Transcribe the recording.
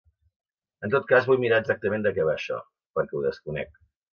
En tot cas, vull mirar exactament de què va això, perquè ho desconec.